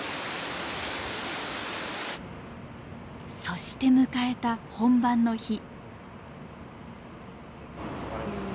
そして迎えた本番の日。